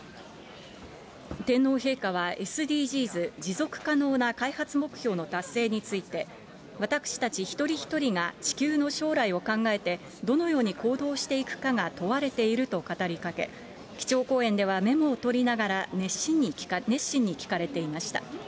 天皇陛下は、ＳＤＧｓ・持続可能な開発目標の達成について、私たち一人一人が地球の将来を考えて、どのように行動していくかが問われていると語りかけ、基調講演では、メモを取りながら、熱心に聞かれていました。